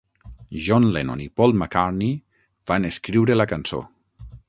John Lennon i Paul McCartney van escriure la cançó.